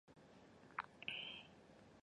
回到一二号巴士站